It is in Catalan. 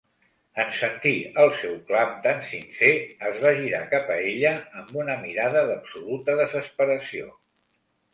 En sentir el seu clam tan sincer, es va girar cap a ella, amb una mirada d'absoluta desesperació.